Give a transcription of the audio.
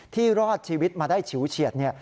ที่รอดชีวิตมาได้ชีวิตเฉียด